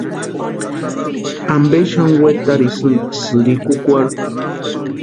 ¿Ampe xani wetarsïni sïrikukwarhu?